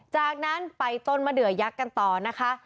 จากนั้นไปต้นมะเดือยักษ์กันต่อนะคะ